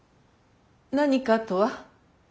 「何か」とは？